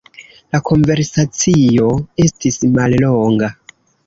La konversacio estis mallonga.